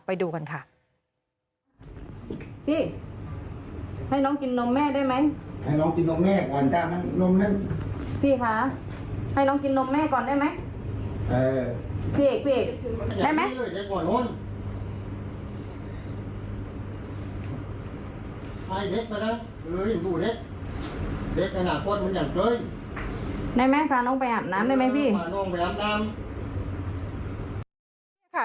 ไปดูกันค่ะ